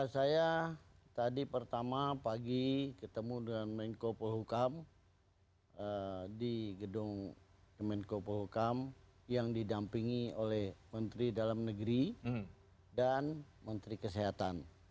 saya tadi pertama pagi ketemu dengan menko polhukam di gedung kemenko polhukam yang didampingi oleh menteri dalam negeri dan menteri kesehatan